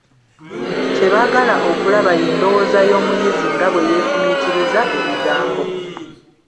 Kye baagala okulaba ye ndowooza y'omuyizi nga bwe yeefumiitiriza ebigambo.